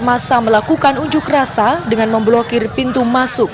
masa melakukan unjuk rasa dengan memblokir pintu masuk